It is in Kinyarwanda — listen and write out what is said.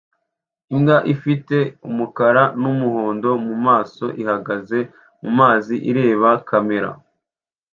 Imbwa ifite umukara n'umuhondo mu maso ihagaze mumazi ireba kamera